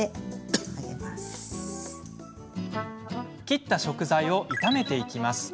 切った食材を炒めていきます。